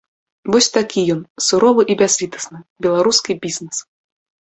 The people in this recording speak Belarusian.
Вось такі ён, суровы і бязлітасны беларускі бізнес!